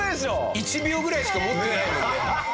１秒ぐらいしか持ってないよね。